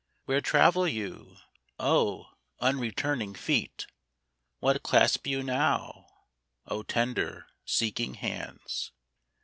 Where travel you, O unreturning feet, What clasp you now, O tender seeking hands